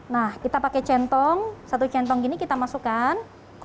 nah kita pakai centong satu centong gini kita masukkan